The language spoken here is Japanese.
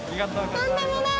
とんでもない。